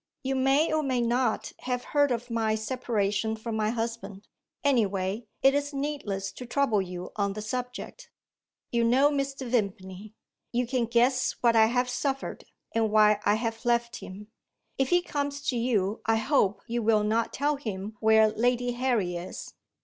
You may, or may not, have heard of my separation from my husband. Anyway, it is needless to trouble you on the subject; you know Mr. Vimpany; you can guess what I have suffered, and why I have left him. If he comes to you, I hope you will not tell him where Lady Harry is."